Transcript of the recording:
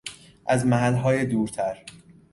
از محلهای دورتر